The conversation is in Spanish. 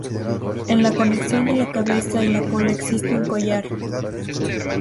En la conexión de la cabeza y la cola existe un collar.